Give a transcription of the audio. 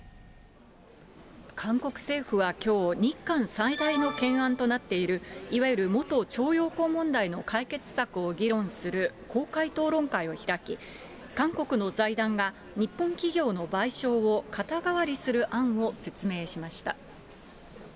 韓国政府はきょう、日韓最大の懸案となっているいわゆる元徴用工問題の解決策を議論する公開討論会を開き、韓国の財団が日本企業の賠償を肩代わりする案を説明しました。